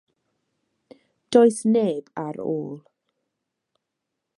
Does neb ar ôl.